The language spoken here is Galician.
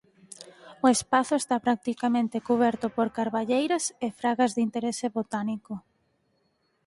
O espazo está practicamente cuberto por carballeiras e fragas de interese botánico.